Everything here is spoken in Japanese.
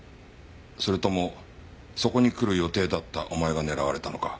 それともそこに来る予定だったお前が狙われたのか？